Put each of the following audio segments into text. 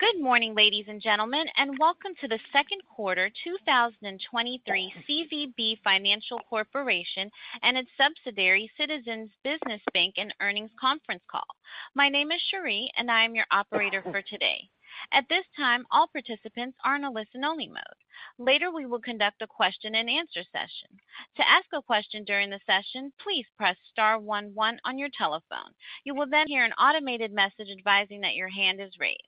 Good morning, ladies and gentlemen, welcome to the second quarter 2023 CVB Financial Corporation and its subsidiary, Citizens Business Bank and earnings conference call. My name is Cherie, I am your operator for today. At this time, all participants are in a listen-only mode. Later, we will conduct a question-and-answer session. To ask a question during the session, please press star one one on your telephone. You will hear an automated message advising that your hand is raised.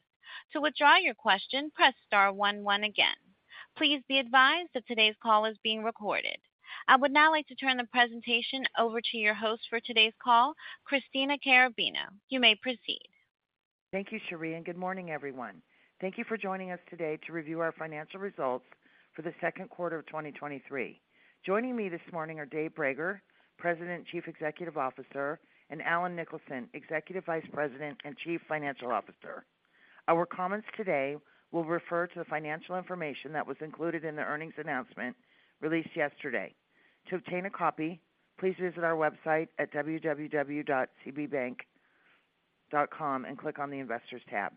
To withdraw your question, press star one one again. Please be advised that today's call is being recorded. I would now like to turn the presentation over to your host for today's call, Christina Carrabino. You may proceed. Thank you, Cherie, and good morning, everyone. Thank you for joining us today to review our financial results for the second quarter of 2023. Joining me this morning are Dave Brager, President, Chief Executive Officer, and Allen Nicholson, Executive Vice President and Chief Financial Officer. Our comments today will refer to the financial information that was included in the earnings announcement released yesterday. To obtain a copy, please visit our website at www.cbbank.com and click on the Investors tab.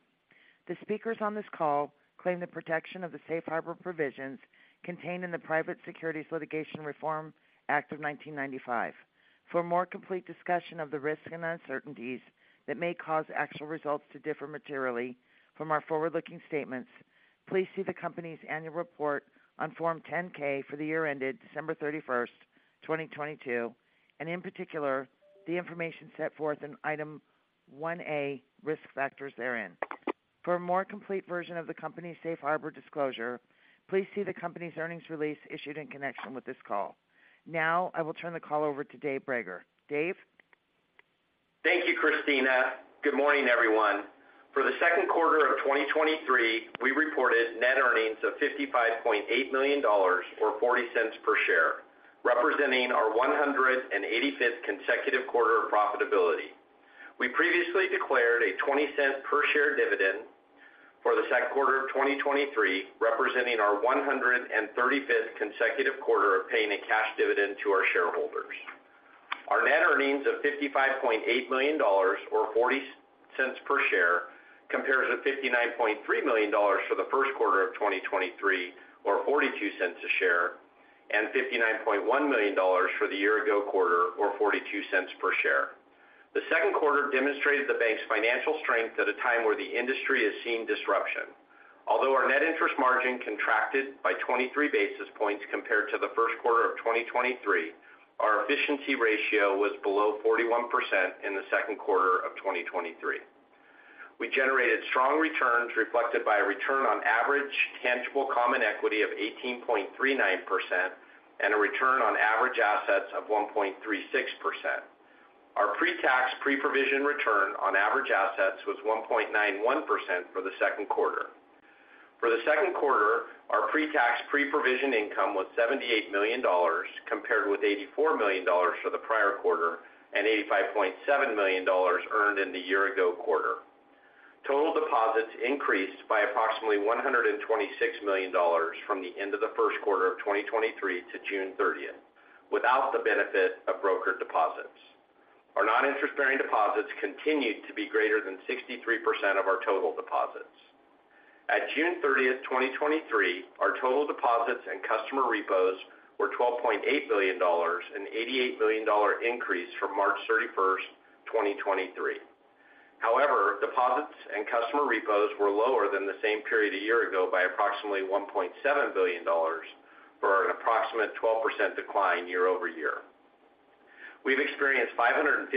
The speakers on this call claim the protection of the Safe Harbor Provisions contained in the Private Securities Litigation Reform Act of 1995. For a more complete discussion of the risks and uncertainties that may cause actual results to differ materially from our forward-looking statements, please see the company's annual report on Form 10-K for the year ended December 31st, 2022, and in particular, the information set forth in Item 1A, Risk Factors therein. For a more complete version of the company's Safe Harbor disclosure, please see the company's earnings release issued in connection with this call. Now I will turn the call over to Dave Brager. Dave? Thank you, Christina. Good morning, everyone. For the second quarter of 2023, we reported net earnings of $55.8 million or $0.40 per share, representing our 185th consecutive quarter of profitability. We previously declared a $0.20 per share dividend for the second quarter of 2023, representing our 135th consecutive quarter of paying a cash dividend to our shareholders. Our net earnings of $55.8 million or $0.40 per share compares to $59.3 million for the first quarter of 2023, or $0.42 a share, and $59.1 million for the year-ago quarter or $0.42 per share. The second quarter demonstrated the bank's financial strength at a time where the industry is seeing disruption. Although our net interest margin contracted by 23 basis points compared to the first quarter of 2023, our efficiency ratio was below 41% in the second quarter of 2023. We generated strong returns, reflected by a return on average tangible common equity of 18.39% and a return on average assets of 1.36%. Our pre-tax, pre-provision return on average assets was 1.91% for the second quarter. For the second quarter, our pre-tax, pre-provision income was $78 million, compared with $84 million for the prior quarter and $85.7 million earned in the year-ago quarter. Total deposits increased by approximately $126 million from the end of the first quarter of 2023 to June 30th, without the benefit of broker deposits. Our non-interest-bearing deposits continued to be greater than 63% of our total deposits. At June 30th, 2023, our total deposits and customer repos were $12.8 billion, an $88 million increase from March 31st, 2023. Deposits and customer repos were lower than the same period a year ago by approximately $1.7 billion, for an approximate 12% decline year-over-year. We've experienced $552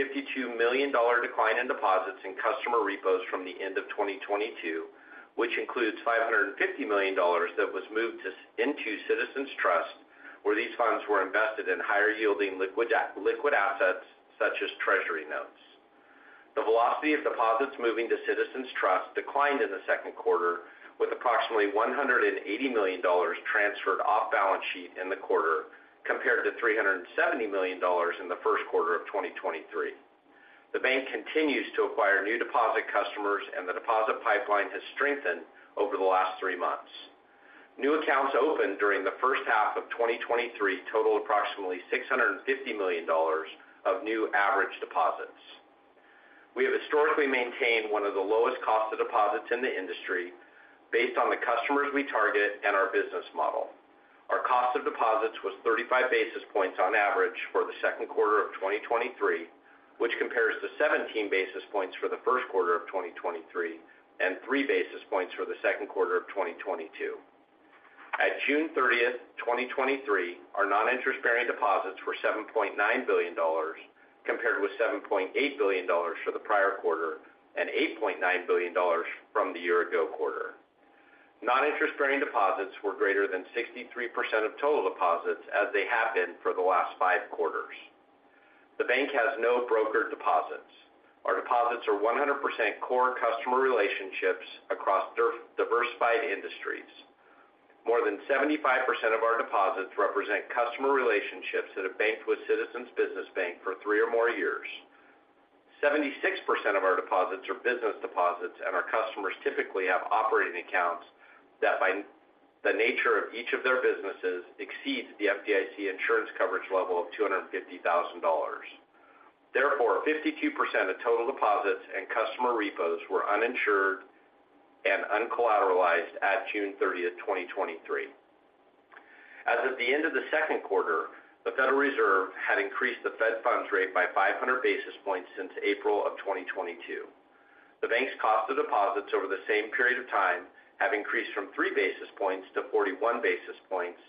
million decline in deposits in customer repos from the end of 2022, which includes $550 million that was moved into CitizensTrust, where these funds were invested in higher-yielding liquid assets such as Treasury notes. The velocity of deposits moving to CitizensTrust declined in the second quarter, with approximately $180 million transferred off balance sheet in the quarter, compared to $370 million in the first quarter of 2023. The bank continues to acquire new deposit customers, and the deposit pipeline has strengthened over the last three months. New accounts opened during the first half of 2023 total approximately $650 million of new average deposits. We have historically maintained one of the lowest cost of deposits in the industry based on the customers we target and our business model. Our cost of deposits was 35 basis points on average for the second quarter of 2023, which compares to 17 basis points for the first quarter of 2023 and 3 basis points for the second quarter of 2022. At June 30th, 2023, our non-interest-bearing deposits were $7.9 billion, compared with $7.8 billion for the prior quarter and $8.9 billion from the year-ago quarter. Non-interest-bearing deposits were greater than 63% of total deposits, as they have been for the last five quarters. The bank has no brokered deposits. Our deposits are 100% core customer relationships across diversified industries. More than 75% of our deposits represent customer relationships that have banked with Citizens Business Bank for three or more years. 76% of our deposits are business deposits, and our customers typically have operating accounts that, by the nature of each of their businesses, exceeds the FDIC insurance coverage level of $250,000. 52% of total deposits and customer repos were uninsured and uncollateralized at June 30th, 2023. As of the end of the second quarter, the Federal Reserve had increased the Fed funds rate by 500 basis points since April of 2022. The bank's cost of deposits over the same period of time have increased from 3 basis points to 41 basis points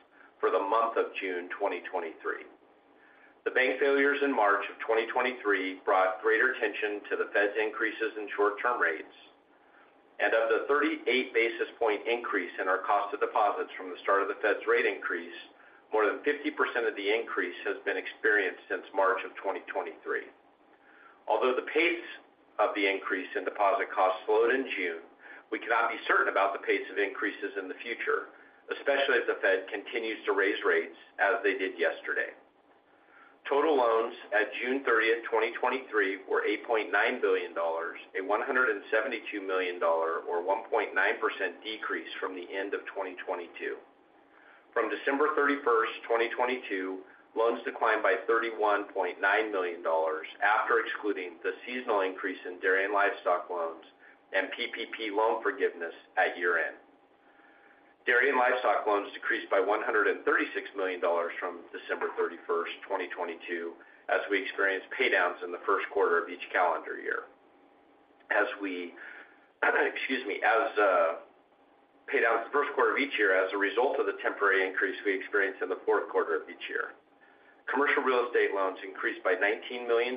for the month of June 2023. The bank failures in March of 2023 brought greater attention to the Fed's increases in short-term rates, and of the 38 basis point increase in our cost of deposits from the start of the Fed's rate increase, more than 50% of the increase has been experienced since March of 2023. Although the pace of the increase in deposit costs slowed in June, we cannot be certain about the pace of increases in the future, especially as the Fed continues to raise rates as they did yesterday. Total loans at June 30th, 2023, were $8.9 billion, a $172 million or 1.9% decrease from the end of 2022. From December 31st, 2022, loans declined by $31.9 million after excluding the seasonal increase in dairy and livestock loans and PPP loan forgiveness at year-end. Dairy and livestock loans decreased by $136 million from December 31st, 2022, as we experienced paydowns in the first quarter of each calendar year. Excuse me, as paydowns the first quarter of each year as a result of the temporary increase we experienced in the fourth quarter of each year. Commercial real estate loans increased by $19 million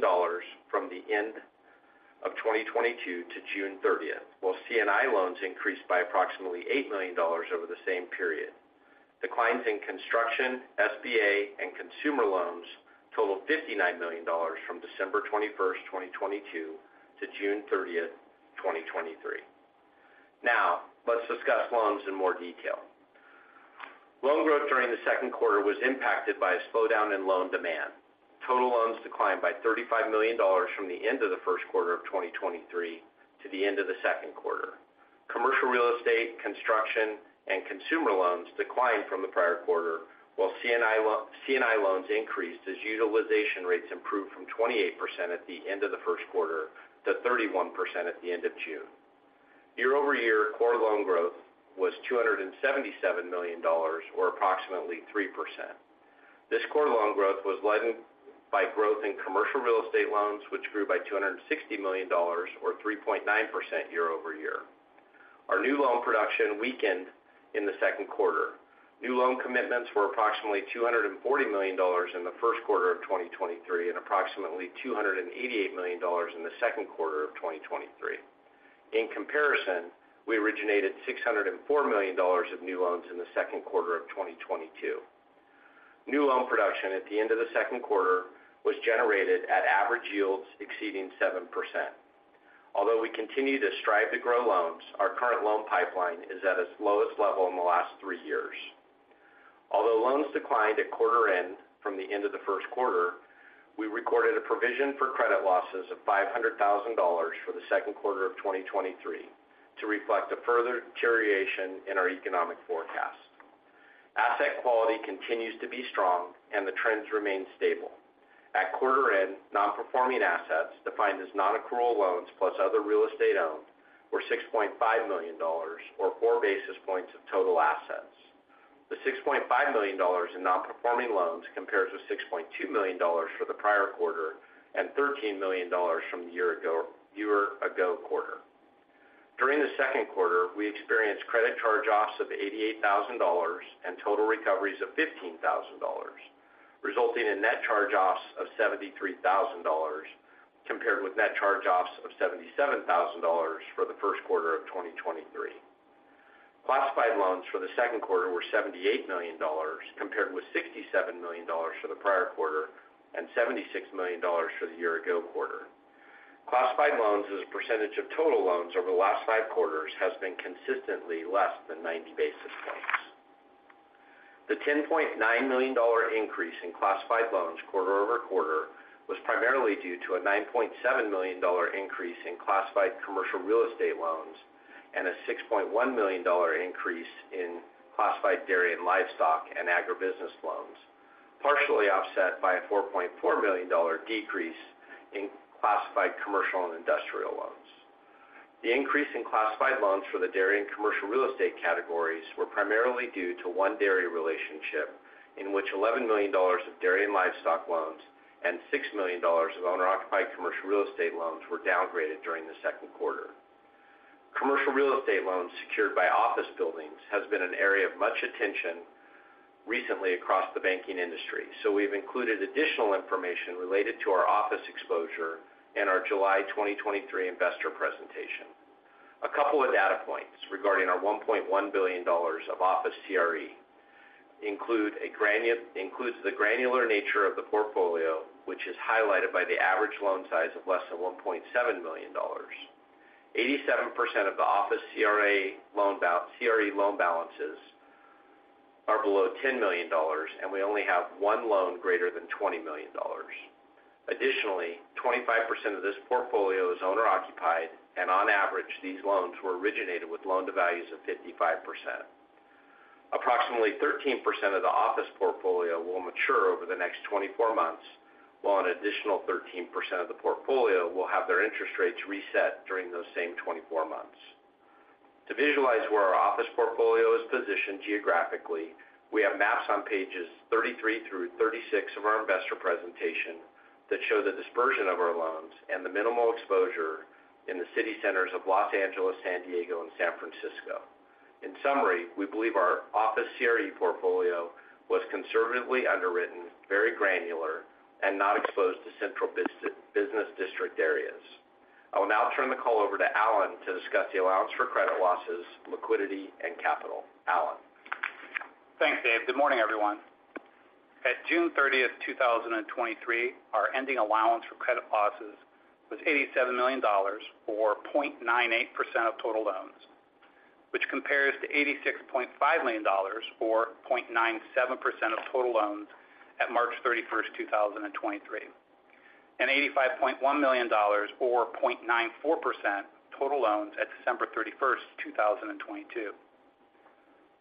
from the end of 2022 to June 30th, while C&I loans increased by approximately $8 million over the same period. Declines in construction, SBA, and consumer loans totaled $59 million from December 21st, 2022 to June 30th, 2023. Let's discuss loans in more detail. Loan growth during the second quarter was impacted by a slowdown in loan demand. Total loans declined by $35 million from the end of the first quarter of 2023 to the end of the second quarter. Commercial real estate, construction, and consumer loans declined from the prior quarter, while C&I loans increased as utilization rates improved from 28% at the end of the first quarter to 31% at the end of June. Year-over-year core loan growth was $277 million, or approximately 3%. This core loan growth was led by growth in commercial real estate loans, which grew by $260 million or 3.9% year-over-year. Our new loan production weakened in the second quarter. New loan commitments were approximately $240 million in the first quarter of 2023 and approximately $288 million in the second quarter of 2023. In comparison, we originated $604 million of new loans in the second quarter of 2022. New loan production at the end of the second quarter was generated at average yields exceeding 7%. Although we continue to strive to grow loans, our current loan pipeline is at its lowest level in the last three years. Although loans declined at quarter end from the end of the first quarter, we recorded a provision for credit losses of $500,000 for the second quarter of 2023 to reflect a further deterioration in our economic forecast. Asset quality continues to be strong, and the trends remain stable. At quarter end, non-performing assets, defined as nonaccrual loans plus other real estate owned, were $6.5 million, or 4 basis points of total assets. The $6.5 million in non-performing loans compares with $6.2 million for the prior quarter and $13 million from the year-ago quarter. During the second quarter, we experienced credit charge-offs of $88,000 and total recoveries of $15,000, resulting in net charge-offs of $73,000, compared with net charge-offs of $77,000 for the first quarter of 2023. Classified loans for the second quarter were $78 million, compared with $67 million for the prior quarter and $76 million for the year-ago quarter. Classified loans as a percentage of total loans over the last five quarters has been consistently less than 90 basis points. The $10.9 million increase in classified loans quarter-over-quarter was primarily due to a $9.7 million increase in classified commercial real estate loans and a $6.1 million increase in classified dairy and livestock and agribusiness loans, partially offset by a $4.4 million decrease in classified commercial and industrial loans. The increase in classified loans for the dairy and commercial real estate categories were primarily due to one dairy relationship, in which $11 million of dairy and livestock loans and $6 million of owner-occupied commercial real estate loans were downgraded during the second quarter. Commercial real estate loans secured by office buildings has been an area of much attention recently across the banking industry. We've included additional information related to our office exposure in our July 2023 investor presentation. A couple of data points regarding our $1.1 billion of office CRE includes the granular nature of the portfolio, which is highlighted by the average loan size of less than $1.7 million. 87% of the office CRE loan balances are below $10 million, and we only have one loan greater than $20 million. Additionally, 25% of this portfolio is owner-occupied, and on average, these loans were originated with loan-to-values of 55%. Approximately 13% of the office portfolio will mature over the next 24 months, while an additional 13% of the portfolio will have their interest rates reset during those same 24 months. To visualize where our office portfolio is positioned geographically, we have maps on pages 33 through 36 of our investor presentation that show the dispersion of our loans and the minimal exposure in the city centers of Los Angeles, San Diego and San Francisco. In summary, we believe our office CRE portfolio was conservatively underwritten, very granular, and not exposed to central business district areas. I will now turn the call over to Allen to discuss the allowance for credit losses, liquidity and capital. Allen? Thanks, Dave. Good morning, everyone. At June 30th, 2023, our ending allowance for credit losses was $87 million or 0.98% of total loans, which compares to $86.5 million or 0.97% of total loans at March 31st, 2023, and $85.1 million or 0.94% total loans at December 31st, 2022.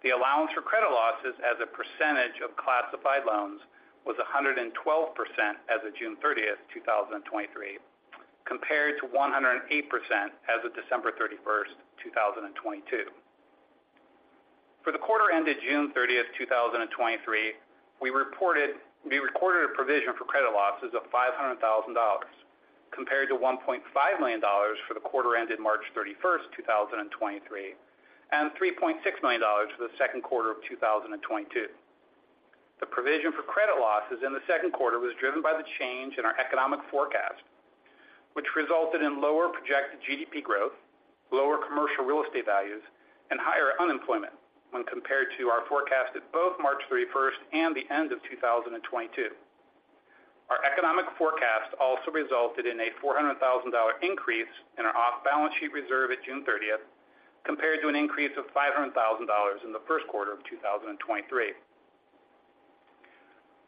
The allowance for credit losses as a percentage of classified loans was 112% as of June 30th, 2023, compared to 108% as of December 31st, 2022. For the quarter ended June 30th, 2023, we recorded a provision for credit losses of $500,000, compared to $1.5 million for the quarter ended March 31st, 2023, and $3.6 million for the second quarter of 2022. The provision for credit losses in the second quarter was driven by the change in our economic forecast, which resulted in lower projected GDP growth, lower commercial real estate values, and higher unemployment when compared to our forecast at both March 31st and the end of 2022. Our economic forecast also resulted in a $400,000 increase in our off-balance sheet reserve at June 30th, compared to an increase of $500,000 in the first quarter of 2023.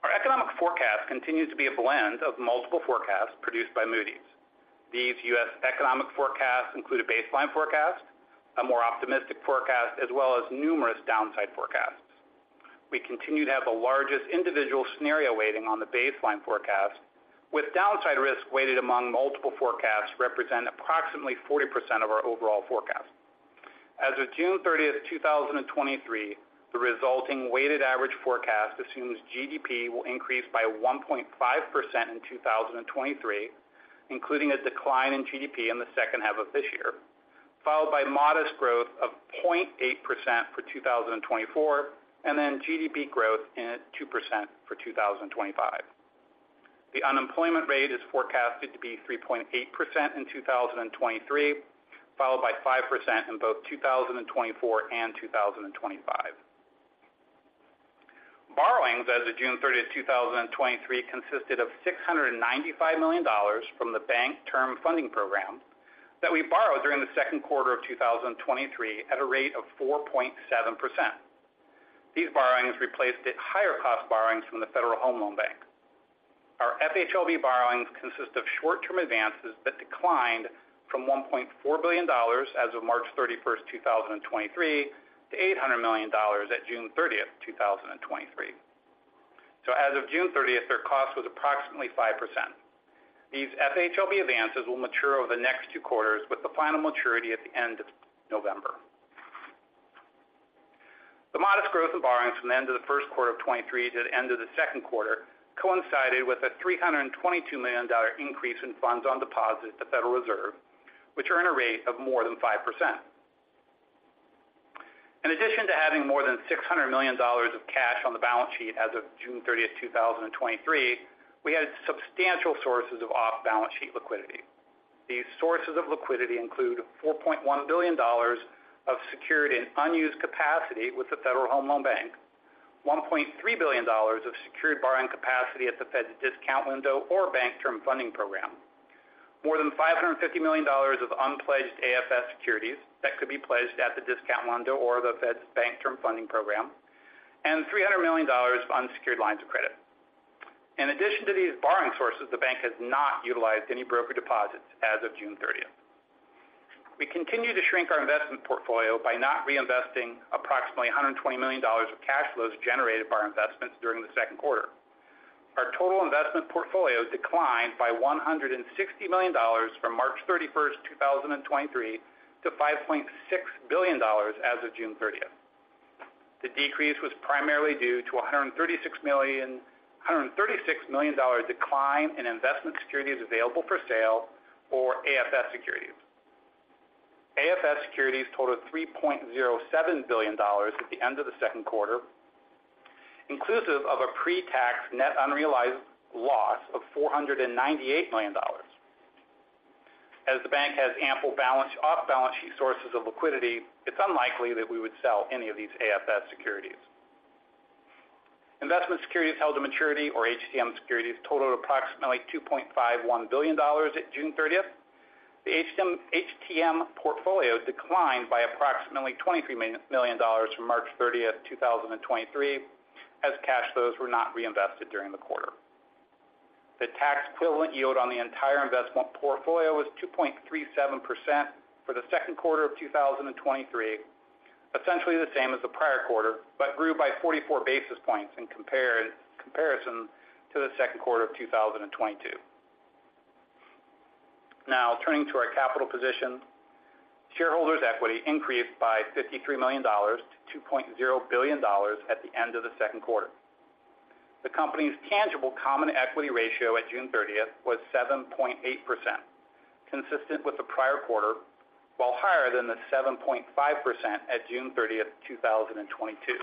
Our economic forecast continues to be a blend of multiple forecasts produced by Moody's. These U.S. economic forecasts include a baseline forecast, a more optimistic forecast, as well as numerous downside forecasts. We continue to have the largest individual scenario weighting on the baseline forecast, with downside risk weighted among multiple forecasts represent approximately 40% of our overall forecast. As of June 30th, 2023, the resulting weighted average forecast assumes GDP will increase by 1.5% in 2023, including a decline in GDP in the second half of this year, followed by modest growth of 0.8% for 2024, and then GDP growth in at 2% for 2025. The unemployment rate is forecasted to be 3.8% in 2023, followed by 5% in both 2024 and 2025. Borrowings as of June 30th, 2023, consisted of $695 million from the Bank Term Funding Program that we borrowed during the second quarter of 2023 at a rate of 4.7%. These borrowings replaced at higher cost borrowings from the Federal Home Loan Bank. Our FHLB borrowings consist of short-term advances that declined from $1.4 billion as of March 31st, 2023, to $800 million at June 30th, 2023. As of June 30th, their cost was approximately 5%. These FHLB advances will mature over the next two quarters, with the final maturity at the end of November. The modest growth in borrowings from the end of the first quarter of 2023 to the end of the second quarter coincided with a $322 million increase in funds on deposit at the Federal Reserve, which earn a rate of more than 5%. In addition to having more than $600 million of cash on the balance sheet as of June 30th, 2023, we had substantial sources of off-balance sheet liquidity. These sources of liquidity include $4.1 billion of secured and unused capacity with the Federal Home Loan Bank, $1.3 billion of secured borrowing capacity at the Fed's discount window or Bank Term Funding Program, more than $550 million of unpledged AFS securities that could be pledged at the discount window or the Fed's Bank Term Funding Program, and $300 million of unsecured lines of credit. In addition to these borrowing sources, the bank has not utilized any broker deposits as of June 30th. We continue to shrink our investment portfolio by not reinvesting approximately $120 million of cash flows generated by our investments during the second quarter. Our total investment portfolio declined by $160 million from March 31, 2023, to $5.6 billion as of June 30th. The decrease was primarily due to a $136 million decline in investment securities available for sale or AFS securities. AFS securities totaled $3.07 billion at the end of the second quarter, inclusive of a pre-tax net unrealized loss of $498 million. As the bank has ample off-balance sheet sources of liquidity, it's unlikely that we would sell any of these AFS securities. Investment securities held to maturity or HTM securities totaled approximately $2.51 billion at June 30th. The HTM portfolio declined by approximately $23 million from March 30th, 2023, as cash flows were not reinvested during the quarter. The tax equivalent yield on the entire investment portfolio was 2.37% for the second quarter of 2023, essentially the same as the prior quarter, but grew by 44 basis points in comparison to the second quarter of 2022. Turning to our capital position. Shareholders' equity increased by $53 million to $2.0 billion at the end of the second quarter. The company's tangible common equity ratio at June 30th was 7.8%, consistent with the prior quarter, while higher than the 7.5% at June 30th, 2022.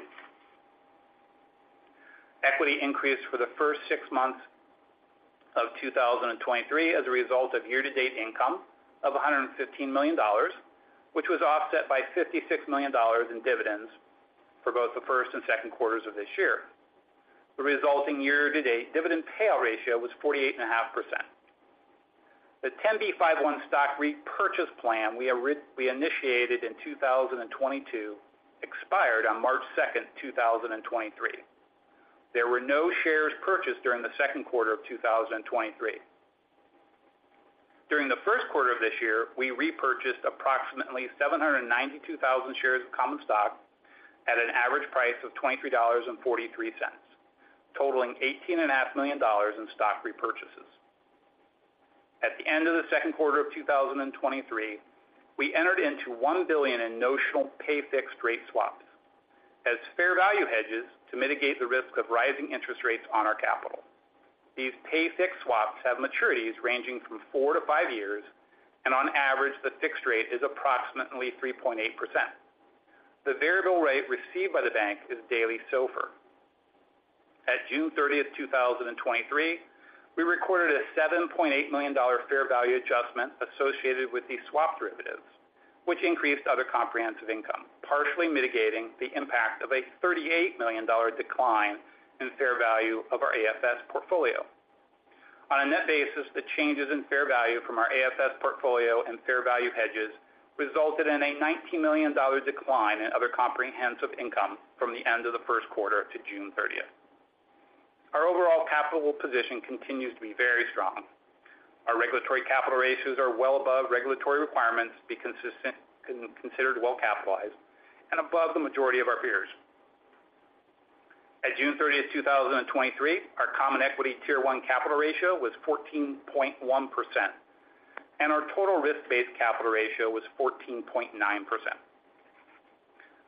Equity increased for the first six months of 2023 as a result of year-to-date income of $115 million, which was offset by $56 million in dividends for both the first and second quarters of this year. The resulting year-to-date dividend payout ratio was 48.5%. The 10b5-1 stock repurchase plan we initiated in 2022, expired on March 2nd, 2023. There were no shares purchased during the second quarter of 2023. During the first quarter of this year, we repurchased approximately 792,000 shares of common stock at an average price of $23.43, totaling $18.5 million in stock repurchases. At the end of the second quarter of 2023, we entered into $1 billion in notional pay fixed rate swaps as fair value hedges to mitigate the risk of rising interest rates on our capital. These pay fixed swaps have maturities ranging from four-five years, and on average, the fixed rate is approximately 3.8%. The variable rate received by the bank is daily SOFR. At June 30th, 2023, we recorded a $7.8 million fair value adjustment associated with these swap derivatives, which increased other comprehensive income, partially mitigating the impact of a $38 million decline in fair value of our AFS portfolio. On a net basis, the changes in fair value from our AFS portfolio and fair value hedges resulted in a $19 million decline in other comprehensive income from the end of the first quarter to June 30th. Our overall capital position continues to be very strong. Our regulatory capital ratios are well above regulatory requirements, considered well capitalized and above the majority of our peers. At June 30th, 2023, our Common Equity Tier 1 capital ratio was 14.1%, and our total risk-based capital ratio was 14.9%.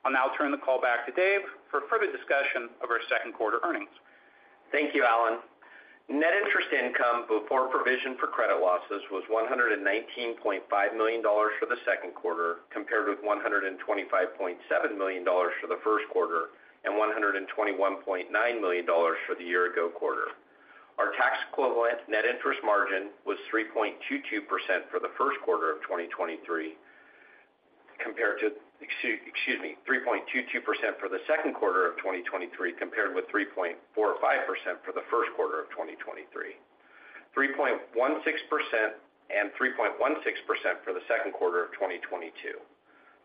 I'll now turn the call back to Dave for further discussion of our second quarter earnings. Thank you, Allen. Net interest income before provision for credit losses was $119.5 million for the second quarter, compared with $125.7 million for the first quarter and $121.9 million for the year-ago quarter. Our tax equivalent net interest margin was 3.22% for the first quarter of 2023, compared to, excuse me, 3.22% for the second quarter of 2023, compared with 3.45% for the first quarter of 2023. 3.16% for the second quarter of 2022.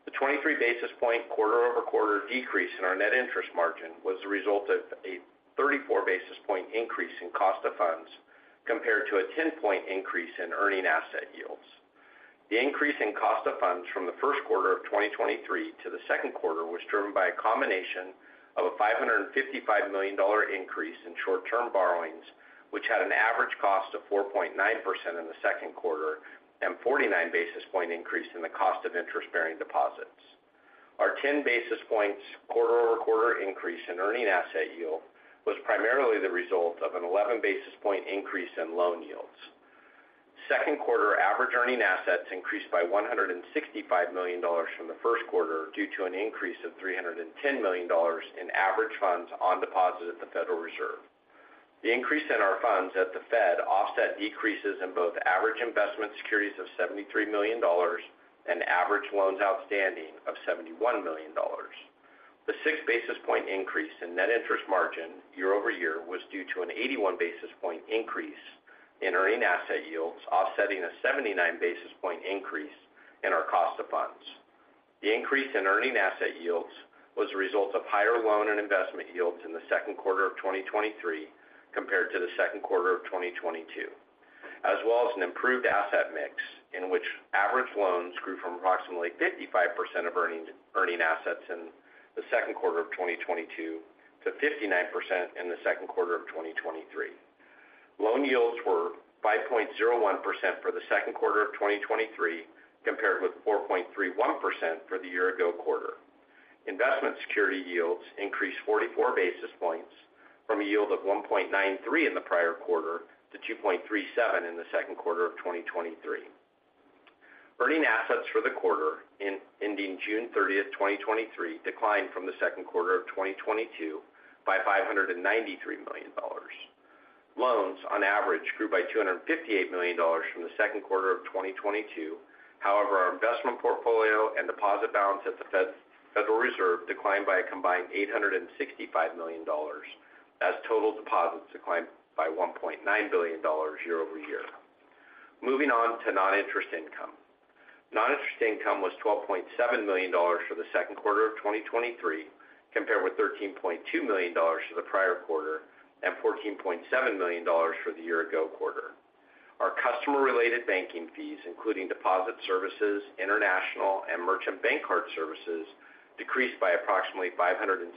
The 23 basis point quarter-over-quarter decrease in our net interest margin was the result of a 34 basis point increase in cost of funds, compared to a 10-point increase in earning asset yields. The increase in cost of funds from the first quarter of 2023 to the second quarter was driven by a combination of a $555 million increase in short-term borrowings, which had an average cost of 4.9% in the second quarter and 49 basis point increase in the cost of interest-bearing deposits. Our 10 basis points quarter-over-quarter increase in earning asset yield was primarily the result of an 11 basis point increase in loan yields. Second quarter average earning assets increased by $165 million from the first quarter due to an increase of $310 million in average funds on deposit at the Federal Reserve. The increase in our funds at the Fed offset decreases in both average investment securities of $73 million and average loans outstanding of $71 million. The 6 basis point increase in net interest margin year-over-year was due to an 81 basis point increase in earning asset yields, offsetting a 79 basis point increase in our cost of funds. The increase in earning asset yields was a result of higher loan and investment yields in the second quarter of 2023 compared to the second quarter of 2022, as well as an improved asset mix in which average loans grew from approximately 55% of earning assets in the second quarter of 2022 to 59% in the second quarter of 2023. Loan yields were 5.01% for the second quarter of 2023, compared with 4.31% for the year-ago quarter. Investment security yields increased 44 basis points from a yield of 1.93 in the prior quarter to 2.37 in the second quarter of 2023. Earning assets for the quarter in ending June 30th, 2023, declined from the 2Q of 2022 by $593 million. Loans on average grew by $258 million from the second quarter of 2022. Our investment portfolio and deposit balance at the Federal Reserve declined by a combined $865 million, as total deposits declined by $1.9 billion year-over-year. Moving on to non-interest income. Non-interest income was $12.7 million for the second quarter of 2023, compared with $13.2 million for the prior quarter and $14.7 million for the year-ago quarter. Our customer-related banking fees, including deposit services, international, and merchant bank card services, decreased by approximately $506,000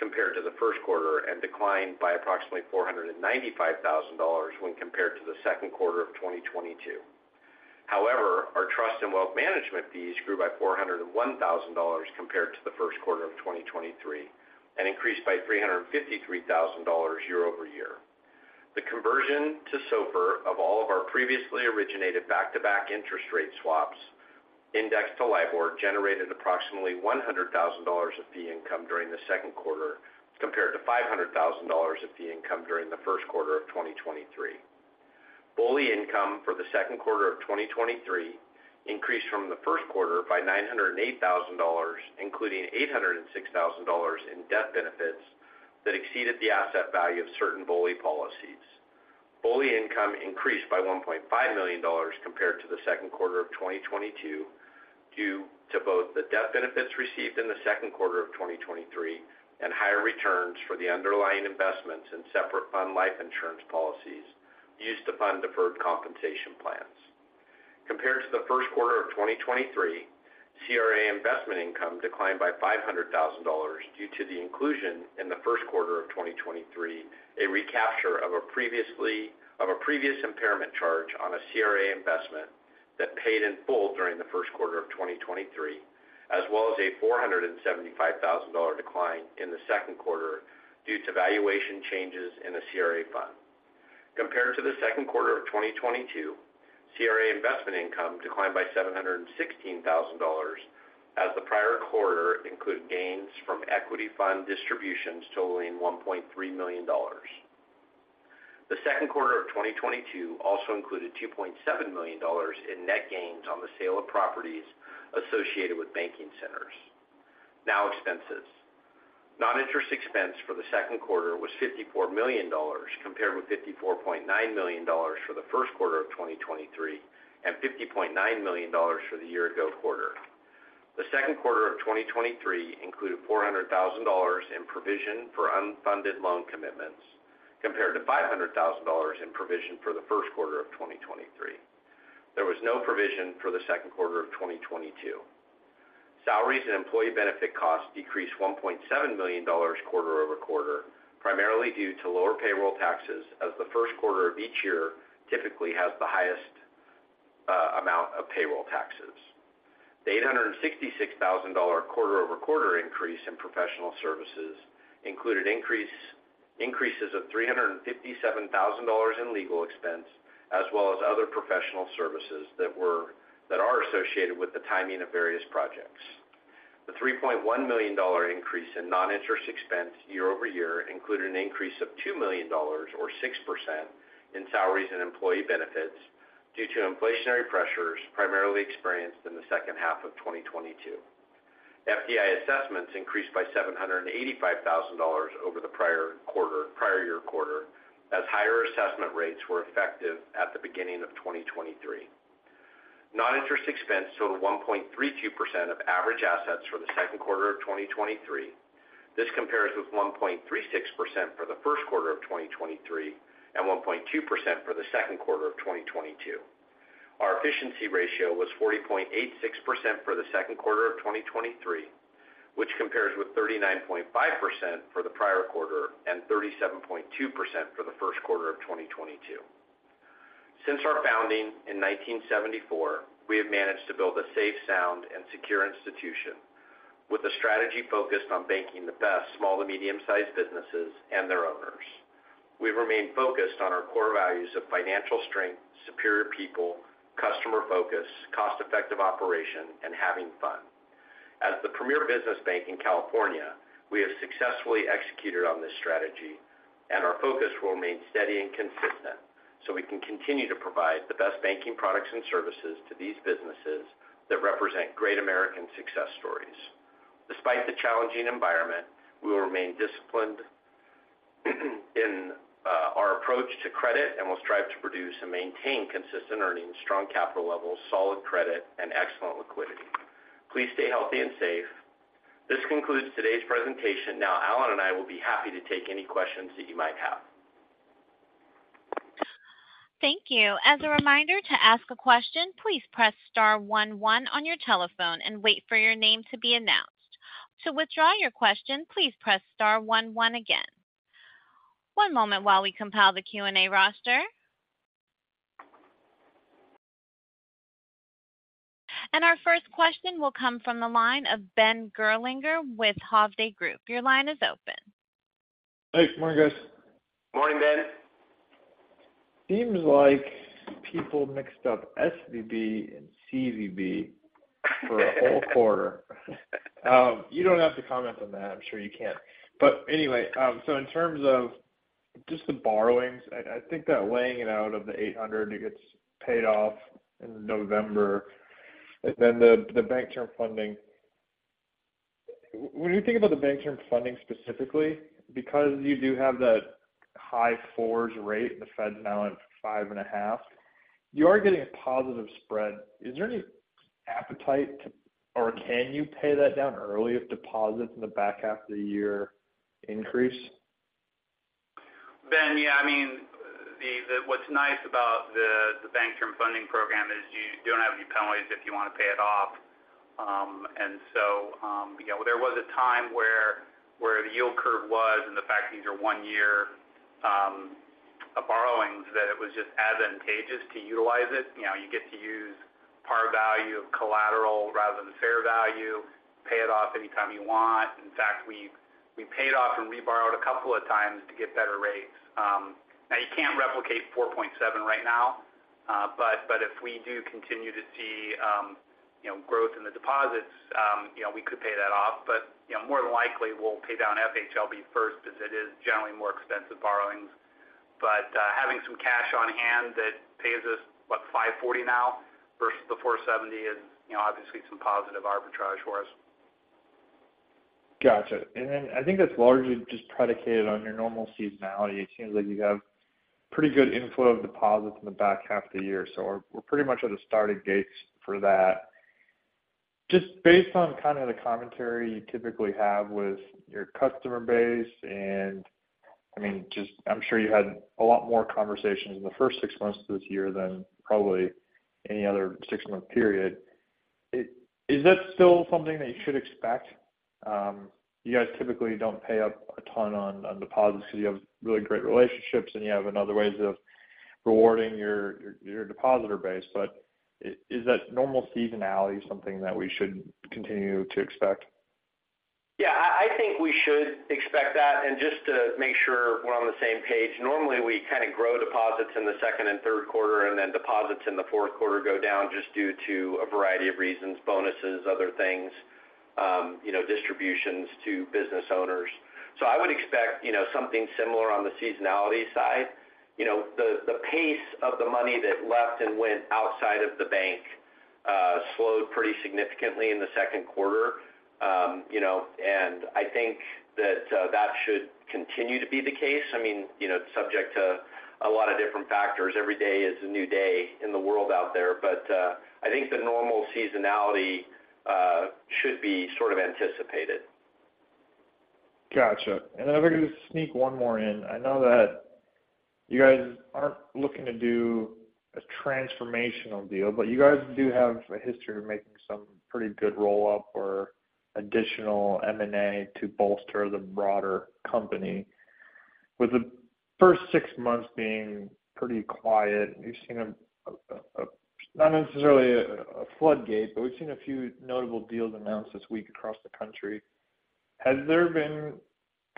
compared to the first quarter and declined by approximately $495,000 when compared to the second quarter of 2022. However, our trust and wealth management fees grew by $401,000 compared to the first quarter of 2023 and increased by $353,000 year-over-year. The conversion to SOFR of all of our previously originated back-to-back interest rate swaps indexed to LIBOR, generated approximately $100,000 of fee income during the second quarter, compared to $500,000 of fee income during the first quarter of 2023. BOLI income for the second quarter of 2023 increased from the first quarter by $908,000, including $806,000 in death benefits that exceeded the asset value of certain BOLI policies. BOLI income increased by $1.5 million compared to the second quarter of 2022, due to both the death benefits received in the second quarter of 2023 and higher returns for the underlying investments in separate account life insurance policies used to fund deferred compensation plans. Compared to the first quarter of 2023, CRE investment income declined by $500,000 due to the inclusion in the first quarter of 2023, a recapture of a previous impairment charge on a CRE investment that paid in full during the first quarter of 2023, as well as a $475,000 decline in the second quarter due to valuation changes in the CRE fund. Compared to the second quarter of 2022, CRE investment income declined by $716,000, as the prior quarter included gains from equity fund distributions totaling $1.3 million. The second quarter of 2022 also included $2.7 million in net gains on the sale of properties associated with banking centers. Expenses. Non-interest expense for the second quarter was $54 million, compared with $54.9 million for the first quarter of 2023 and $50.9 million for the year-ago quarter. The second quarter of 2023 included $400,000 in provision for unfunded loan commitments, compared to $500,000 in provision for the first quarter of 2023. There was no provision for the second quarter of 2022. Salaries and employee benefit costs decreased $1.7 million quarter-over-quarter, primarily due to lower payroll taxes, as the first quarter of each year typically has the highest amount of payroll taxes. The $866,000 quarter-over-quarter increase in professional services included increases of $357,000 in legal expense, as well as other professional services that are associated with the timing of various projects. The $3.1 million increase in non-interest expense year-over-year included an increase of $2 million or 6% in salaries and employee benefits due to inflationary pressures primarily experienced in the second half of 2022. FDIC assessments increased by $785,000 over the prior year quarter, as higher assessment rates were effective at the beginning of 2023. Non-interest expense total 1.32% of average assets for the second quarter of 2023. This compares with 1.36% for the first quarter of 2023 and 1.2% for the second quarter of 2022. Our efficiency ratio was 40.86% for the second quarter of 2023, which compares with 39.5% for the prior quarter and 37.2% for the first quarter of 2022. Since our founding in 1974, we have managed to build a safe, sound, and secure institution with a strategy focused on banking the best small to medium-sized businesses and their owners. We've remained focused on our core values of financial strength, superior people, customer focus, cost-effective operation, and having fun. As the premier business bank in California, we have successfully executed on this strategy. Our focus will remain steady and consistent. We can continue to provide the best banking products and services to these businesses that represent great American success stories. Despite the challenging environment, we will remain disciplined in our approach to credit. We will strive to produce and maintain consistent earnings, strong capital levels, solid credit, and excellent liquidity. Please stay healthy and safe. This concludes today's presentation. Now, Allen and I will be happy to take any questions that you might have. Thank you. As a reminder to ask a question, please press star one one on your telephone and wait for your name to be announced. To withdraw your question, please press star one one again. One moment while we compile the Q&A roster. Our first question will come from the line of Ben Gerlinger with Hovde Group. Your line is open. Hey, good morning, guys. Morning, Ben. Seems like people mixed up SVB and CVB for a whole quarter. You don't have to comment on that. I'm sure you can't. Anyway, in terms of just the borrowings, I think that laying it out of the $800 million, it gets paid off in November, and then the Bank Term Funding. When you think about the Bank Term Funding specifically, because you do have that high fours rate, and the Fed's now at 5.5, you are getting a positive spread. Is there any appetite or can you pay that down early if deposits in the back half of the year increase? Ben, yeah, I mean, the, the, what's nice about the, the Bank Term Funding Program is you don't have any penalties if you want to pay it off. You know, there was a time where, where the yield curve was, and the fact these are one-year borrowings, that it was just advantageous to utilize it. You know, you get to use par value of collateral rather than fair value, pay it off anytime you want. In fact, we've, we paid off and reborrowed a couple of times to get better rates. Now you can't replicate 4.7 right now. If we do continue to see, you know, growth in the deposits, you know, we could pay that off. You know, more than likely, we'll pay down FHLB first, as it is generally more expensive borrowings. Having some cash on hand that pays us, what? 540 now versus the 470 is, you know, obviously some positive arbitrage for us. Gotcha. I think that's largely just predicated on your normal seasonality. It seems like you have pretty good inflow of deposits in the back half of the year, we're pretty much at the starting gates for that. Just based on kind of the commentary you typically have with your customer base, I mean, just I'm sure you had a lot more conversations in the first six months of this year than probably any other six-month period. Is that still something that you should expect? You guys typically don't pay up a ton on deposits because you have really great relationships, and you have another ways of rewarding your depositor base. Is that normal seasonality something that we should continue to expect? Yeah, I think we should expect that. Just to make sure we're on the same page, normally, we kind of grow deposits in the second and third quarter, and then deposits in the fourth quarter go down just due to a variety of reasons, bonuses, other things, you know, distributions to business owners. I would expect, you know, something similar on the seasonality side. The pace of the money that left and went outside of the bank, slowed pretty significantly in the second quarter. You know, and I think that should continue to be the case. I mean, you know, subject to a lot of different factors. Every day is a new day in the world out there, but I think the normal seasonality should be sort of anticipated. Gotcha. If I could just sneak one more in. I know that you guys aren't looking to do a transformational deal, but you guys do have a history of making some pretty good roll-up or additional M&A to bolster the broader company. With the first six months being pretty quiet, we've seen not necessarily a floodgate, but we've seen a few notable deals announced this week across the country. Has there been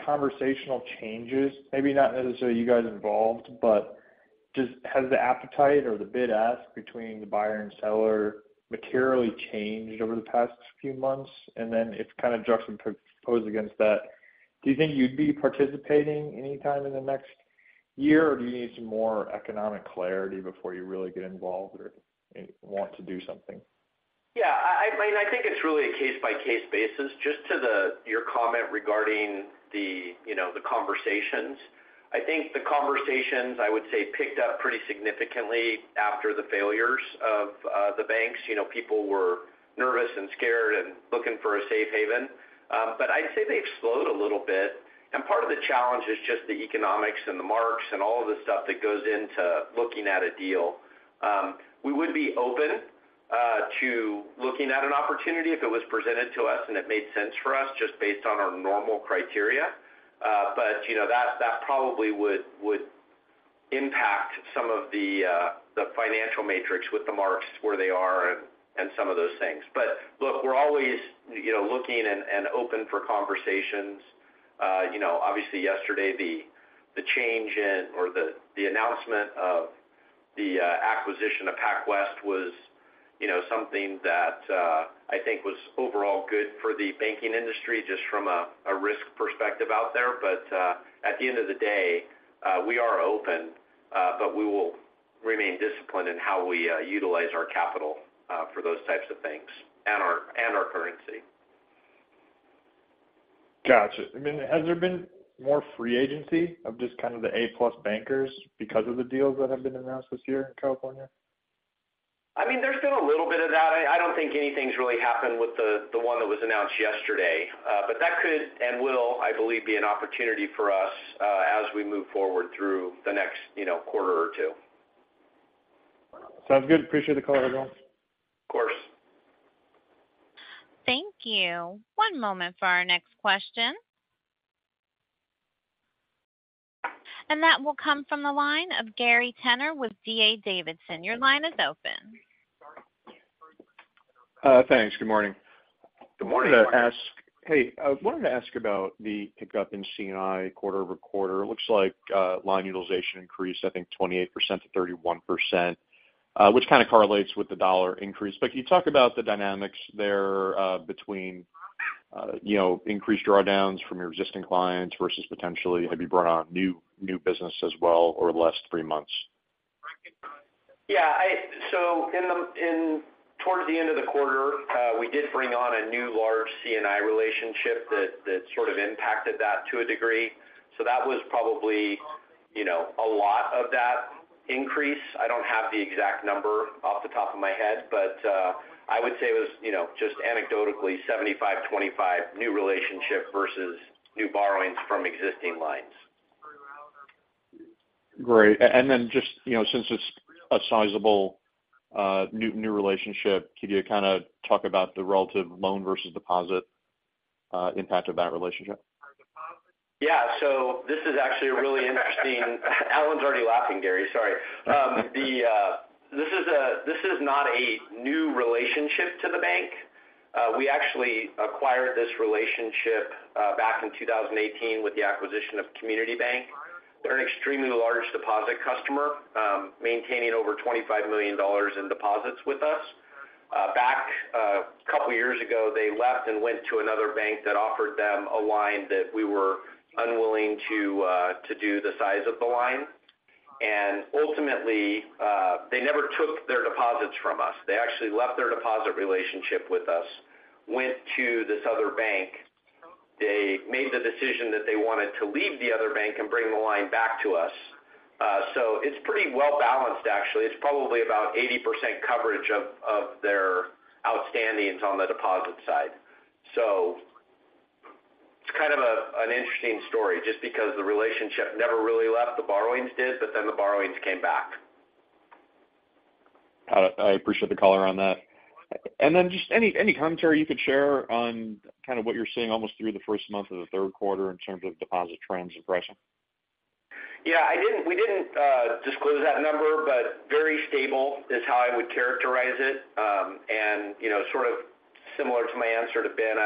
conversational changes? Maybe not necessarily you guys involved, but just has the appetite or the bid ask between the buyer and seller materially changed over the past few months? If kind of juxtaposed against that, do you think you'd be participating anytime in the next year, or do you need some more economic clarity before you really get involved or want to do something? Yeah, I mean, I think it's really a case-by-case basis. Just to your comment regarding the, you know, the conversations. I think the conversations, I would say, picked up pretty significantly after the failures of the banks. You know, people were nervous and scared and looking for a safe haven. I'd say they've slowed a little bit, and part of the challenge is just the economics and the marks and all of the stuff that goes into looking at a deal. We would be open to looking at an opportunity if it was presented to us and it made sense for us, just based on our normal criteria. You know, that probably would impact some of the financial matrix with the marks where they are and some of those things. Look, we're always, you know, looking and open for conversations. you know, obviously yesterday, the change in or the announcement of the acquisition of PacWest was, you know, something that I think was overall good for the banking industry, just from a risk perspective out there. At the end of the day, we are open, but we will remain disciplined in how we utilize our capital for those types of things and our currency. Gotcha. I mean, has there been more free agency of just kind of the A-plus bankers because of the deals that have been announced this year in California? I mean, there's been a little bit of that. I don't think anything's really happened with the, the one that was announced yesterday. That could and will, I believe, be an opportunity for us, as we move forward through the next, you know, quarter or two. Sounds good. Appreciate the color, though. Of course. Thank you. One moment for our next question. That will come from the line of Gary Tenner with D.A. Davidson. Your line is open. Thanks. Good morning. Good morning. Hey, I wanted to ask about the pickup in C&I quarter-over-quarter. It looks like line utilization increased, I think, 28% to 31%, which kind of correlates with the dollar increase. Can you talk about the dynamics there, between, you know, increased drawdowns from your existing clients versus potentially maybe brought on new business as well over the last three months? Yeah, I, so in the, in towards the end of the quarter, we did bring on a new large C&I relationship that, that sort of impacted that to a degree. That was probably, you know, a lot of that increase. I don't have the exact number off the top of my head, but, I would say it was, you know, just anecdotally, 75/25 new relationship versus new borrowings from existing lines. Great. Just, you know, since it's a sizable, new relationship, could you kind of talk about the relative loan versus deposit, impact of that relationship? This is actually a really interesting- Allen's already laughing, Gary, sorry. This is not a new relationship to the bank. We actually acquired this relationship back in 2018 with the acquisition of Community Bank. They're an extremely large deposit customer, maintaining over $25 million in deposits with us. Back a couple of years ago, they left and went to another bank that offered them a line that we were unwilling to do the size of the line. Ultimately, they never took their deposits from us. They actually left their deposit relationship with us, went to this other bank. They made the decision that they wanted to leave the other bank and bring the line back to us. It's pretty well balanced, actually. It's probably about 80% coverage of their outstandings on the deposit side. It's kind of an interesting story, just because the relationship never really left, the borrowings did, but then the borrowings came back. Got it. I appreciate the color on that. Just any, any commentary you could share on kind of what you're seeing almost through the first month of the third quarter in terms of deposit trends and pricing? Yeah, we didn't disclose that number, but very stable is how I would characterize it. You know, sort of similar to my answer to Ben,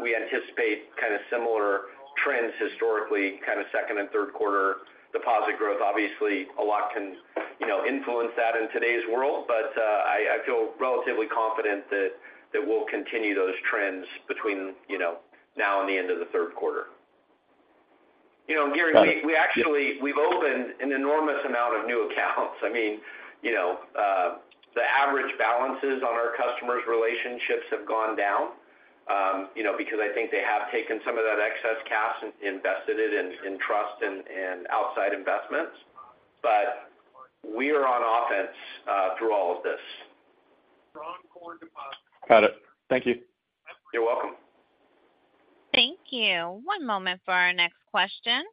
we anticipate kind of similar trends historically, kind of second and third quarter deposit growth. Obviously, a lot can, you know, influence that in today's world, but I feel relatively confident that we'll continue those trends between, you know, now and the end of the third quarter. You know, Gary, we actually we've opened an enormous amount of new accounts. I mean, you know, the average balances on our customers' relationships have gone down, you know, because I think they have taken some of that excess cash and invested it in trust and outside investments. We are on offense through all of this. Got it. Thank you. You're welcome. Thank you. One moment for our next question.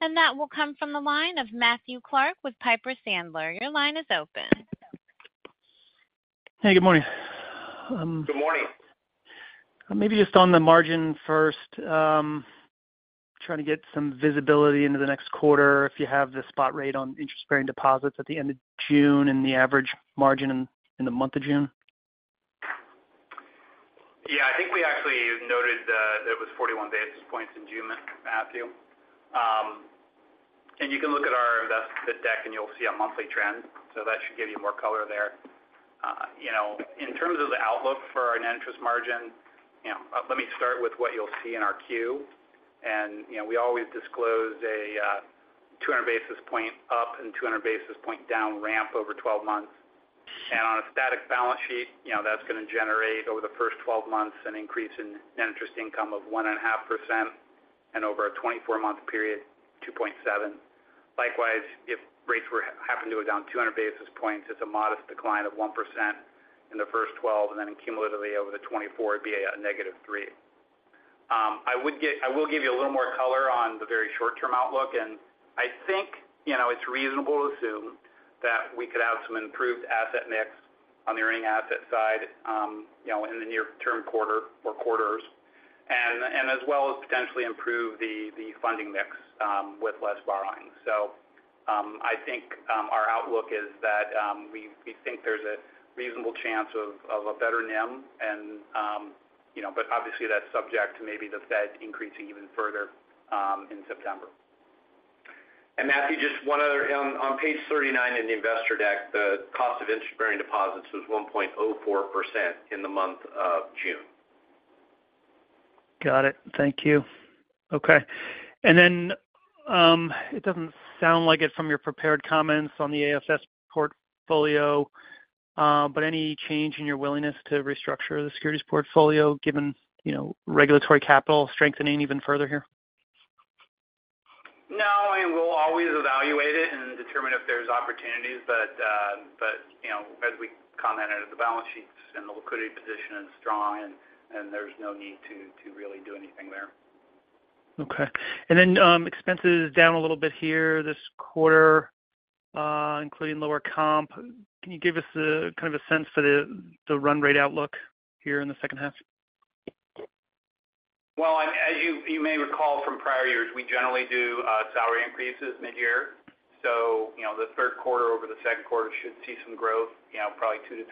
That will come from the line of Matthew Clark with Piper Sandler. Your line is open. Hey, good morning. Good morning. Maybe just on the margin first, trying to get some visibility into the next quarter, if you have the spot rate on interest-bearing deposits at the end of June and the average margin in the month of June? Yeah, I think we actually noted that it was 41 basis points in June, Matthew. You can look at the deck, and you'll see a monthly trend, so that should give you more color there. You know, in terms of the outlook for our net interest margin, you know, let me start with what you'll see in our Q. You know, we always disclose a 200 basis point up and 200 basis point down ramp over 12 months. On a static balance sheet, you know, that's going to generate, over the first 12 months, an increase in net interest income of 1.5%, and over a 24-month period, 2.7. Likewise, if rates were happen to go down 200 basis points, it's a modest decline of 1% in the first 12, and then cumulatively over the 24, it'd be a -3. I will give you a little more color on the very short-term outlook, and I think, you know, it's reasonable to assume that we could have some improved asset mix on the earning asset side, you know, in the near-term quarter or quarters, and, and as well as potentially improve the, the funding mix, with less borrowing. I think, our outlook is that, we, we think there's a reasonable chance of, of a better NIM and, you know, but obviously, that's subject to maybe the Fed increasing even further, in September. Matthew, just one other, on page 39 in the investor deck, the cost of interest-bearing deposits was 1.04% in the month of June. Got it. Thank you. Okay. It doesn't sound like it from your prepared comments on the AFS portfolio, but any change in your willingness to restructure the securities portfolio given, you know, regulatory capital strengthening even further here? No, I mean, we'll always evaluate it and determine if there's opportunities. You know, as we commented, the balance sheets and the liquidity position is strong, and there's no need to really do anything there. Okay. Expenses down a little bit here this quarter, including lower comp. Can you give us kind of a sense for the run rate outlook here in the second half? As you may recall from prior years, we generally do salary increases mid-year. You know, the third quarter over the second quarter should see some growth, you know, probably 2%-3%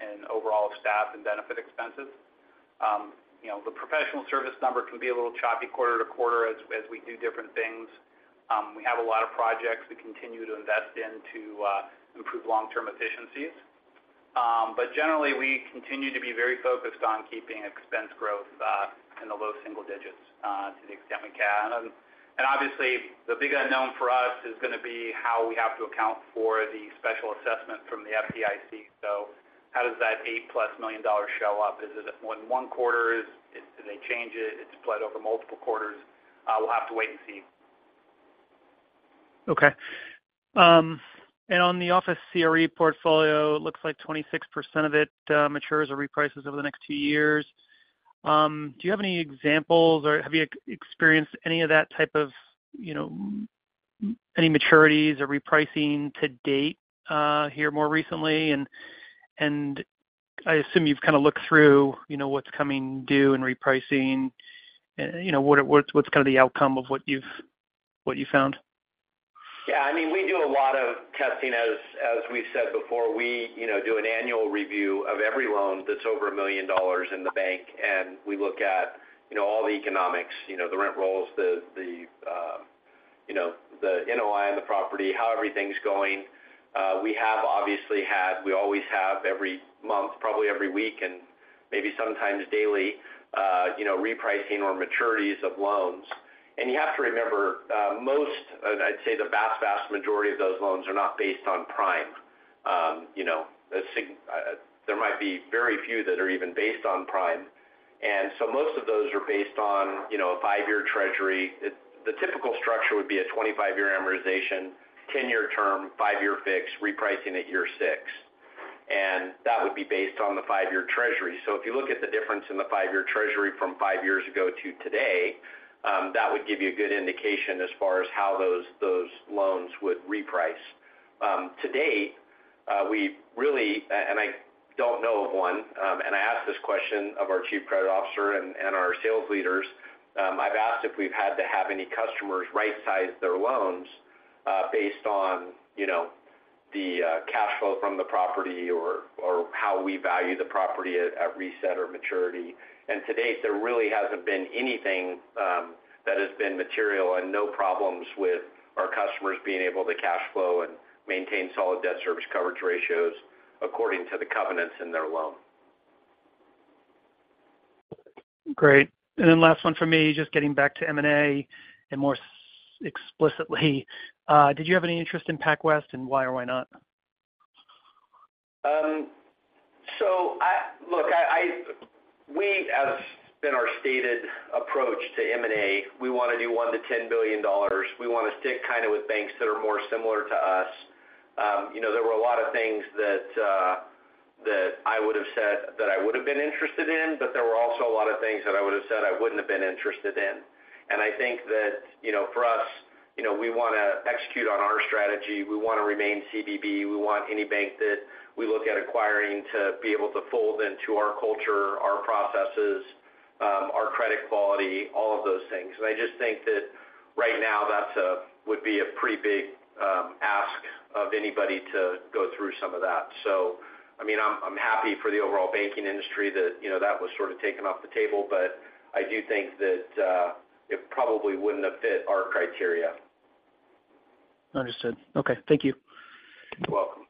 in overall staff and benefit expenses. You know, the professional service number can be a little choppy quarter to quarter as we do different things. We have a lot of projects we continue to invest in to improve long-term efficiencies. But generally, we continue to be very focused on keeping expense growth in the low single-digits to the extent we can. Obviously, the big unknown for us is going to be how we have to account for the special assessment from the FDIC. How does that $8+ million show up? Is it in one quarter? Do they change it? It's split over multiple quarters. We'll have to wait and see. Okay. On the office CRE portfolio, it looks like 26% of it, matures or reprices over the next two years. Do you have any examples, or have you experienced any of that type of, you know, any maturities or repricing to date, here more recently? I assume you've kind of looked through, you know, what's coming due and repricing, you know, what's kind of the outcome of what you found? I mean, we do a lot of testing. As we've said before, we, you know, do an annual review of every loan that's over $1 million in the bank, we look at, you know, all the economics, you know, the rent rolls, the, the, you know, the NOI on the property, how everything's going. We have obviously had, we always have every month, probably every week, and maybe sometimes daily, you know, repricing or maturities of loans. You have to remember, most, I'd say the vast majority of those loans are not based on prime. You know, there might be very few that are even based on prime. Most of those are based on, you know, a five-year Treasury. The typical structure would be a 25-year amortization, 10-year term, five-year fix, repricing at year six. That would be based on the five-year Treasury. If you look at the difference in the five-year Treasury from five years ago to today, that would give you a good indication as far as how those loans would reprice. To date, we really, and I don't know of one, and I asked this question of our Chief Credit Officer and our sales leaders. I've asked if we've had to have any customers rightsize their loans, based on, you know, the cash flow from the property or how we value the property at reset or maturity. To date, there really hasn't been anything that has been material and no problems with our customers being able to cash flow and maintain solid debt service coverage ratios according to the covenants in their loan. Great. Last one for me, just getting back to M&A and more explicitly, did you have any interest in PacWest, and why or why not? We, as been our stated approach to M&A, we want to do $1 billion-$10 billion. We want to stick kind of with banks that are more similar to us. You know, there were a lot of things that I would have said that I would have been interested in, but there were also a lot of things that I would have said I wouldn't have been interested in. I think that, you know, for us, you know, we want to execute on our strategy. We want to remain CVB. We want any bank that we look at acquiring to be able to fold into our culture, our processes, our credit quality, all of those things. I just think that right now, that's would be a pretty big ask of anybody to go through some of that. I mean, I'm, I'm happy for the overall banking industry that, you know, that was sort of taken off the table, but I do think that it probably wouldn't have fit our criteria. Understood. Okay. Thank you. You're welcome.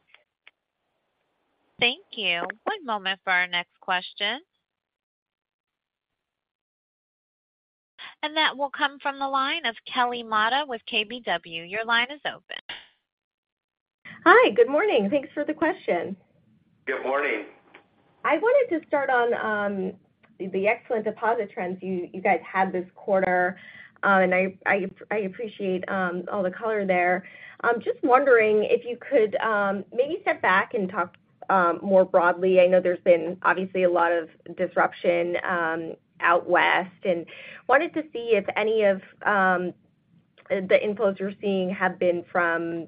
Thank you. One moment for our next question. That will come from the line of Kelly Motta with KBW. Your line is open. Hi, good morning. Thanks for the question. Good morning. I wanted to start on the excellent deposit trends you guys had this quarter. I appreciate all the color there. I'm just wondering if you could maybe step back and talk more broadly. I know there's been obviously a lot of disruption out west, and wanted to see if any of the inflows you're seeing have been from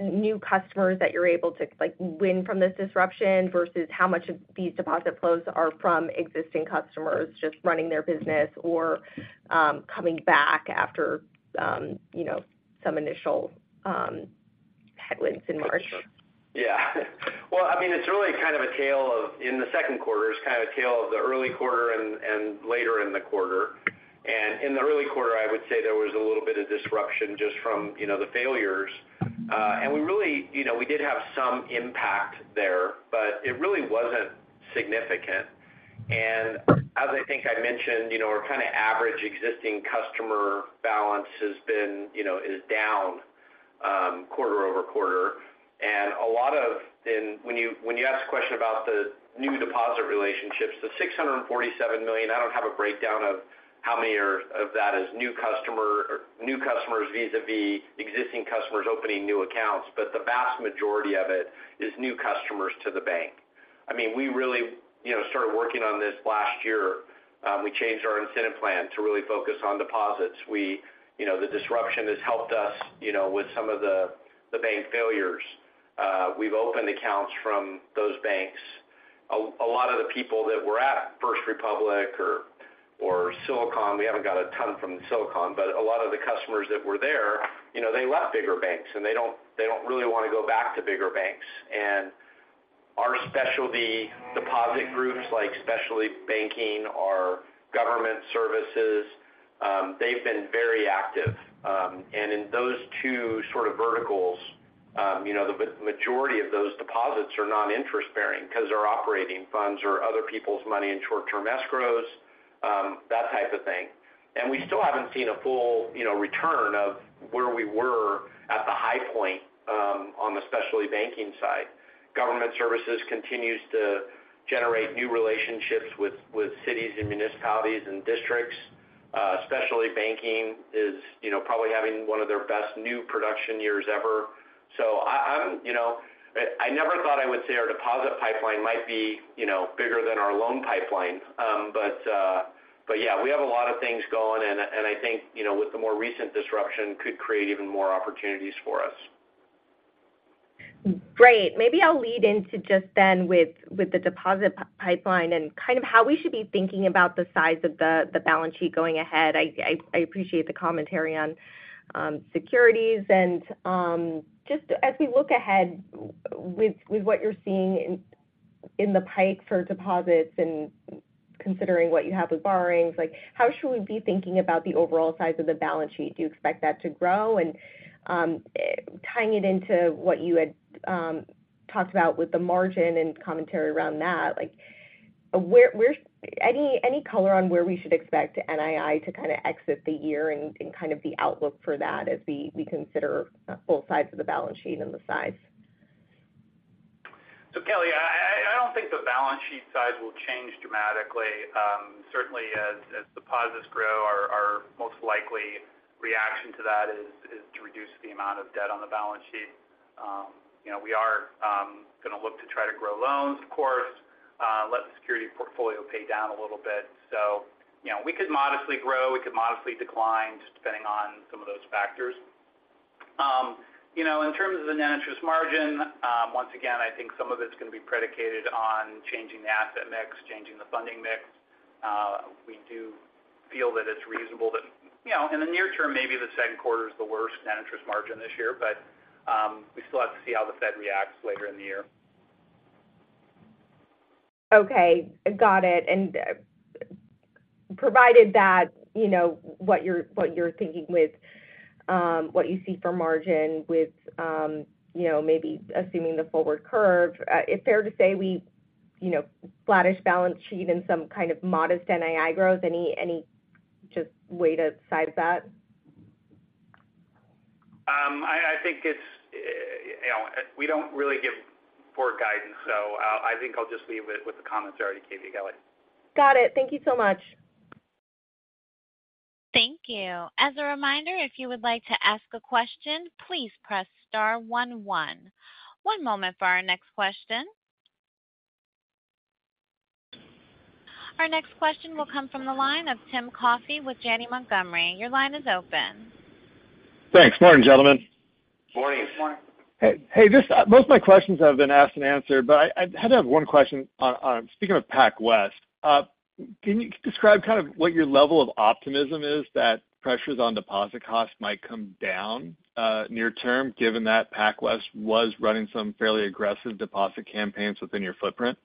new customers that you're able to, like, win from this disruption versus how much of these deposit flows are from existing customers just running their business or coming back after, you know, some initial headwinds in March? Yeah. Well, I mean, it's really kind of a tale of in the second quarter, it's kind of a tale of the early quarter and, and later in the quarter. In the early quarter, I would say there was a little bit of disruption just from, you know, the failures. We really, you know, we did have some impact there, but it really wasn't significant. As I think I mentioned, you know, our kind of average existing customer balance has been, you know, is down, quarter-over-quarter. A lot of, and when you ask a question about the new deposit relationships, the $647 million, I don't have a breakdown of how many are of that is new customers vis-a-vis existing customers opening new accounts, but the vast majority of it is new customers to the bank. I mean, we really, you know, started working on this last year. We changed our incentive plan to really focus on deposits. We, you know, the disruption has helped us, you know, with some of the bank failures. We've opened accounts from those banks. A lot of the people that were at First Republic or, or Silicon, we haven't got a ton from Silicon, but a lot of the customers that were there, you know, they left bigger banks, and they don't, they don't really want to go back to bigger banks. Our specialty deposit groups, like Specialty Banking, our Government Services, they've been very active. In those two sort of verticals, you know, the majority of those deposits are non-interest-bearing because they're operating funds or other people's money in short-term escrows, that type of thing. We still haven't seen a full, you know, return of where we were at the high point, on the Specialty Banking side. Government Services continues to generate new relationships with cities and municipalities and districts. Specialty Banking is, you know, probably having one of their best new production years ever. I, I'm, you know, I never thought I would say our deposit pipeline might be, you know, bigger than our loan pipeline. Yeah, we have a lot of things going, and I think, you know, with the more recent disruption, could create even more opportunities for us. Great. Maybe I'll lead into just then with the deposit pipeline and kind of how we should be thinking about the size of the balance sheet going ahead. I appreciate the commentary on securities. Just as we look ahead with what you're seeing in the pipe for deposits and considering what you have with borrowings, like, how should we be thinking about the overall size of the balance sheet? Do you expect that to grow? Tying it into what you had talked about with the margin and commentary around that, like, any color on where we should expect NII to kind of exit the year and kind of the outlook for that as we consider both sides of the balance sheet and the size? Kelly, I don't think the balance sheet size will change dramatically. Certainly, as deposits grow, our most likely reaction to that is to reduce the amount of debt on the balance sheet. You know, we are going to look to try to grow loans, of course, let the security portfolio pay down a little bit. You know, we could modestly grow, we could modestly decline, just depending on some of those factors. You know, in terms of the net interest margin, once again, I think some of it's going to be predicated on changing the asset mix, changing the funding mix. We do feel that it's reasonable that, you know, in the near term, maybe the second quarter is the worst net interest margin this year, but we still have to see how the Fed reacts later in the year. Okay, got it. Provided that, you know, what you're thinking with, what you see for margin with, you know, maybe assuming the forward curve, it's fair to say we, you know, flattish balance sheet and some kind of modest NII growth. Any just way to size that? I think it's, you know, we don't really give poor guidance. I think I'll just leave it with the comments I already gave you, Kelly. Got it. Thank you so much. Thank you. As a reminder, if you would like to ask a question, please press star one one. One moment for our next question. Our next question will come from the line of Tim Coffey with Janney Montgomery. Your line is open. Thanks. Morning, gentlemen. Morning. Morning. Just, most of my questions have been asked and answered, but I had to have one question on speaking of PacWest, can you describe kind of what your level of optimism is that pressures on deposit costs might come down near term, given that PacWest was running some fairly aggressive deposit campaigns within your footprint?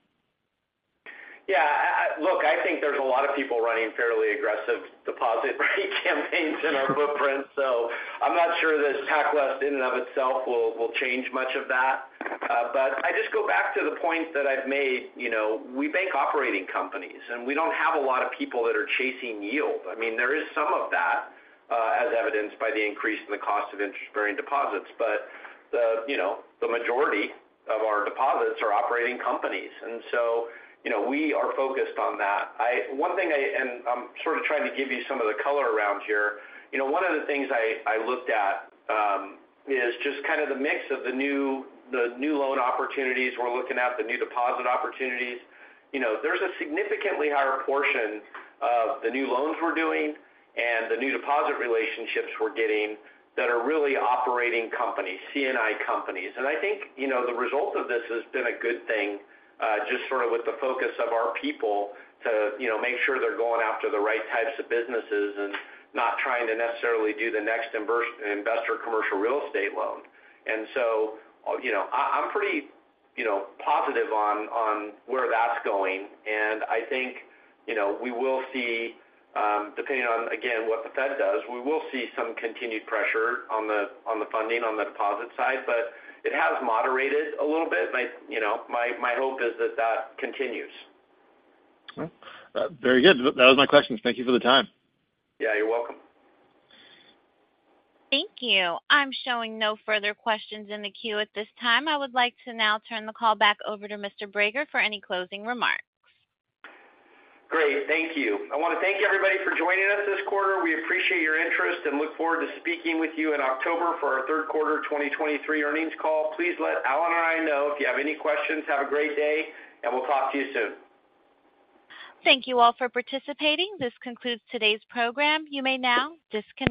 Look, I think there's a lot of people running fairly aggressive deposit rate campaigns in our footprint, so I'm not sure that PacWest in and of itself will change much of that. I just go back to the point that I've made, you know, we bank operating companies, and we don't have a lot of people that are chasing yield. I mean, there is some of that, as evidenced by the increase in the cost of interest-bearing deposits, but you know, the majority of our deposits are operating companies, so, you know, we are focused on that. One thing I'm sort of trying to give you some of the color around here. You know, one of the things I, I looked at, is just kind of the mix of the new, the new loan opportunities we're looking at, the new deposit opportunities. You know, there's a significantly higher portion of the new loans we're doing and the new deposit relationships we're getting that are really operating companies, C&I companies. I think, you know, the result of this has been a good thing, just sort of with the focus of our people to, you know, make sure they're going after the right types of businesses and not trying to necessarily do the next investor commercial real estate loan. So, you know, I, I'm pretty, you know, positive on, on where that's going. I think, you know, we will see, depending on, again, what the Fed does, we will see some continued pressure on the, on the funding, on the deposit side, but it has moderated a little bit. My, you know, my, my hope is that that continues. Very good. That was my questions. Thank you for the time. Yeah, you're welcome. Thank you. I'm showing no further questions in the queue at this time. I would like to now turn the call back over to Mr. Brager for any closing remarks. Great. Thank you. I want to thank everybody for joining us this quarter. We appreciate your interest and look forward to speaking with you in October for our third quarter 2023 earnings call. Please let Allen or I know if you have any questions. Have a great day, and we'll talk to you soon. Thank you all for participating. This concludes today's program. You may now disconnect.